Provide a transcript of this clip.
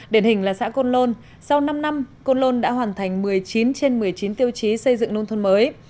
điển hình là xã côn lôn sau năm năm côn lôn đã hoàn thành một mươi chín trên một mươi chín tiêu chí xây dựng nông thôn mới